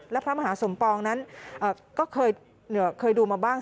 และพระมหาสมปองนั้นก็เคยดูมาบ้าง